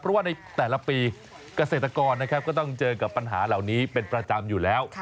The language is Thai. เพราะว่าในแต่ละปีเกษตรกรนะครับก็ต้องเจอกับปัญหาเหล่านี้เป็นประจำอยู่แล้ว